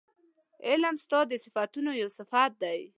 علم ستا د صفتونو یو صفت دی